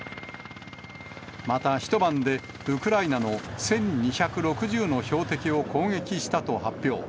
また、一晩でウクライナの１２６０の標的を攻撃したと発表。